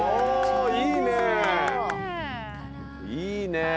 いいね。